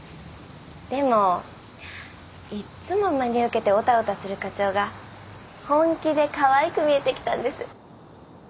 でもいっつも真に受けておたおたする課長が本気でかわいく見えてきたんです。